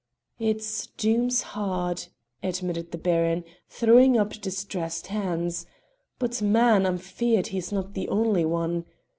"It's dooms hard," admitted the Baron, throwing up distressed hands, "but, man, I'm feared he's not the only one.